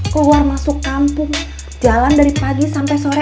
keluar masuk kampung jalan dari pagi sampai sore